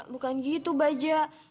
bukan gitu bajak